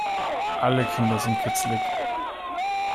Alle Kinder sind kitzelig.